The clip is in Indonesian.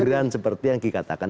bergerak seperti yang dikatakan